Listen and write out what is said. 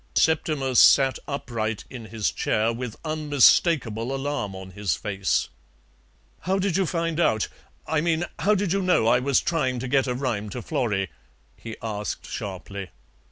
Septimus sat upright in his chair, with unmistakable alarm on his face. "How did you find out? I mean how did you know I was trying to get a rhyme to Florrie?" he asked sharply.